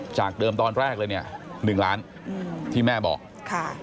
จากเดิมตอนแรกเลยเนี่ย๑ล้านที่แม่บอก